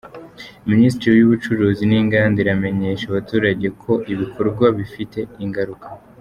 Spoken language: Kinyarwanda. Minisiteri y’Ubucuruzi n’Inganda iramenyesha abaturage ko ibi bikorwa bifite ingaruka.